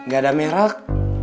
gak ada merek